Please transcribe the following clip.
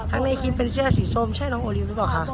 ในคลิปเป็นเสื้อสีส้มใช่น้องโอลิวหรือเปล่าคะ